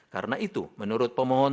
karena itu menurut pemohon